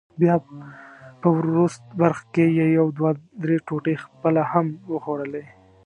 بیا په وروست برخه کې یې یو دوه درې ټوټې خپله هم وخوړلې.